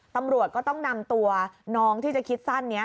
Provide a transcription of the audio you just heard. ตำรวจก็ต้องนำตัวน้องที่จะคิดสั้นนี้